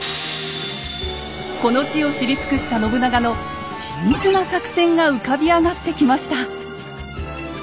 この地を知り尽くした信長の緻密な作戦が浮かび上がってきました。